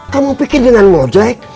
kamu pikir dengan mojek